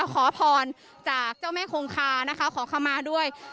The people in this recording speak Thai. ขอพรจากเจ้าแม่คงคานะคะขอขมาด้วย